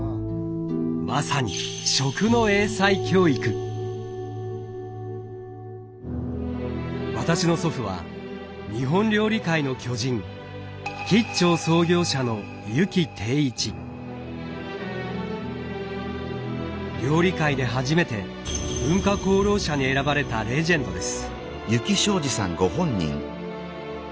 まさに私の祖父は日本料理界の巨人料理界で初めて文化功労者に選ばれたレジェンドです。